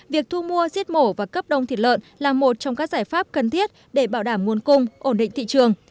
việc thu mua giết mổ và cấp đông thịt lợn là một trong các giải pháp cần thiết để bảo đảm nguồn cung ổn định thị trường